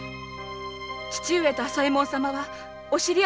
父上と朝右衛門様はお知り合いでした！